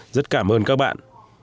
rất cảm ơn các bạn